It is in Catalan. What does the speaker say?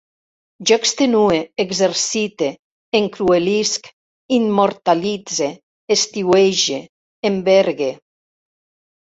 Jo extenue, exercite, encruelisc, immortalitze, estiuege, envergue